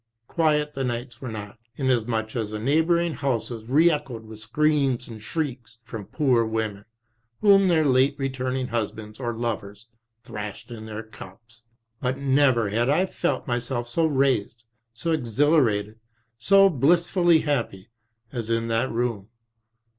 Quiet the nights were not, inasmuch as the neighbouring houses re echoed with screams and shrieks from poor women, whom their late retuming husbands or lovers thrashed in their cups. But never had I felt myself so raised, so exhilarated, so blissfully happy, as in that room.